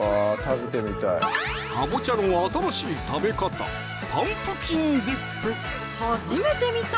かぼちゃの新しい食べ方初めて見た！